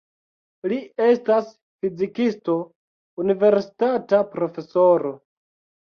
Li estas fizikisto, universitata profesoro.